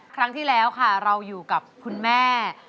ครั้งที่แล้วค่ะเราอยู่กับคุณแม่